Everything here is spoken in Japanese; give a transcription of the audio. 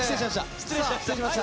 失礼しました。